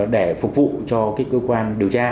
để phục vụ cho cơ quan điều tra